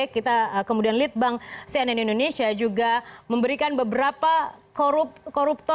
kita kemudian lead bank cnn indonesia juga memberikan beberapa koruptor